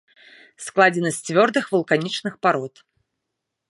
Складзены з цвёрдых вулканічных парод.